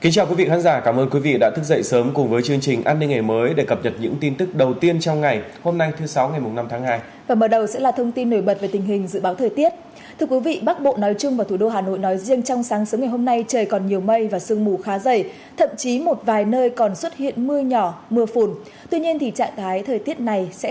chào mừng quý vị đến với bộ phim hãy nhớ like share và đăng ký kênh của chúng mình nhé